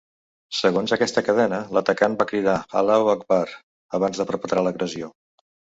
Segons aquesta cadena, l’atacant va cridar ‘Allahu Akbar’ abans de perpetrar l’agressió.